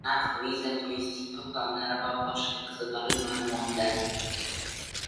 Maldiv orollari: narx, viza, turistik to‘plamlar va boshqa qiziqarli ma’lumotlar